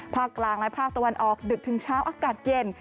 ภาคกลางและภาคตะวันออกดึกถึงเช้าอากาศเย็น